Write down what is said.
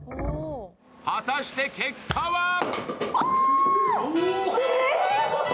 果たして結果は？